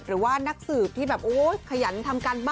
หรือนักสืบที่แบบขยันทำการบ้าน